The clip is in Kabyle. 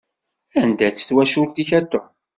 Anda-tt twacult-ik a Tom?